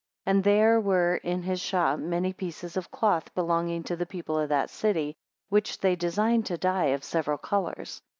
9 And there were in his shop many pieces of cloth belonging to the people of that city, which they designed to dye of several colours.